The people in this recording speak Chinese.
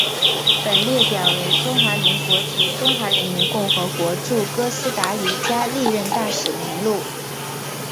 本列表为中华民国及中华人民共和国驻哥斯达黎加历任大使名录。